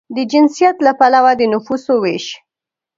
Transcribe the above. د جنسیت له پلوه د نفوسو وېش